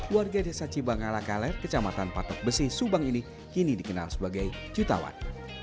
warga desa cibangalakaler kecamatan patok besi subang ini kini dikenal sebagai jutawan